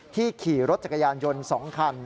ขี่รถจักรยานยนต์๒คัน